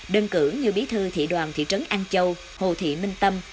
đơn cử như bí thư thị đoàn thị trấn an châu hồ thị minh tâm